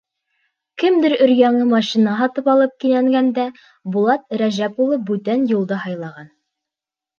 Кемдер өр-яңы машина һатып алып кинәнгәндә, Булат Рәжәп улы бүтән юлды һайлаған.